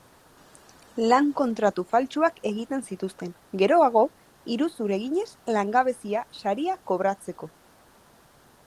Lan kontratu faltsuak egiten zituzten, geroago, iruzur eginez langabezia saria kobratzeko.